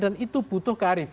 dan itu butuh kearifan